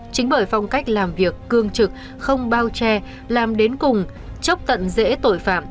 chính bởi phong cách làm việc cương trực không bao che làm đến cùng chấp tận dễ tội phạm